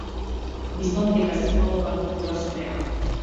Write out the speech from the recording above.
Мислам дека си имал авантура со неа.